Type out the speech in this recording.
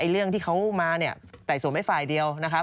เรื่องที่เขามาไต่สวนไม่ฝ่ายเดียว